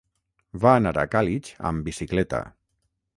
Va anar a Càlig amb bicicleta.